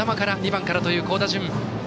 ２番からという好打順。